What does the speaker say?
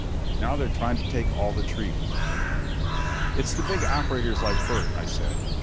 Now they're trying to take all the trees." "It's the big operators like Burt," I said.